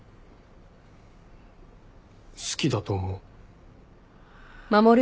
好きだと思う。